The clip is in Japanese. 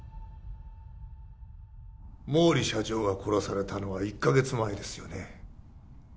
毛利社長が殺されたのは１カ月前ですよね